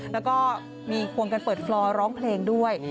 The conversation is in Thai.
แล้วก็มีควงกันเปิดฟลอร้องเพลงด้วย